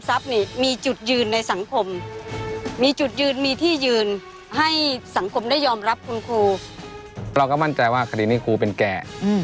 เราก็มั่นใจว่าคดีนี้ครูเป็นแก่